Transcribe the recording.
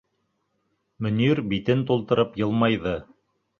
Мөнир битен тултырып йылмайҙы.